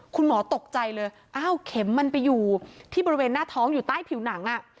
คุณหมอตกใจเลยอ้าวเข็มมันไปอยู่ที่บริเวณหน้าท้องอยู่ใต้ผิวหนังอ่ะ